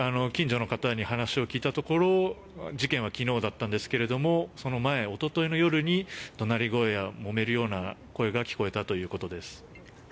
近所の方に話を聞いたところ事件は昨日だったんですがその前、おとといの夜に怒鳴り声や、もめるような声が聞こえたということです。